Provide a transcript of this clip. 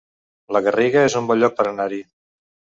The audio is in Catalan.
La Garriga es un bon lloc per anar-hi